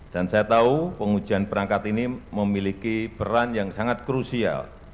dan saya tahu pengujian perangkat ini memiliki peran yang sangat krusial